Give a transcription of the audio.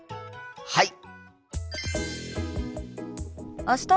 はい！